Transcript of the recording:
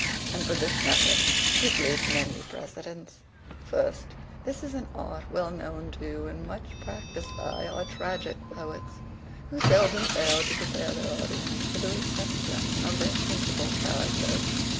And for this method we plead many precedents. First, this is an art well known to, and much practised by, our tragick poets, who seldom fail to prepare their audience for the reception of their principal characters.